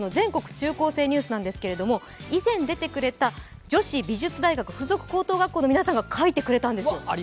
中高生ニュース」なんですけれども、以前出てくれた女子美術大学附属高等学校の皆さんが描いてくれたんですよ。